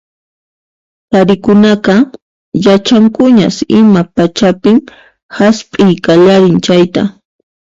Qharikunaqa yachankuñas ima pachapin hasp'iy qallarin chayta.